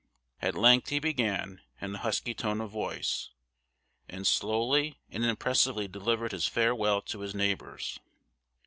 At length he began in a husky tone of voice, and slowly and impressively delivered his farewell to his neighbors.